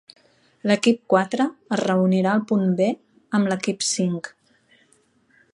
L'equip quatre es reunirà al punt B amb l'equip cinc.